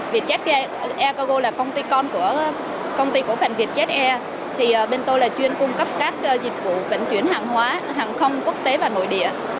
việt jet air cargo là công ty con của phần việt jet air